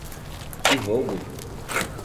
Que roubo!